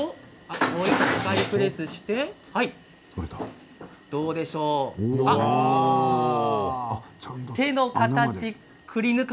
もう１回プレスしてどうでしょうか。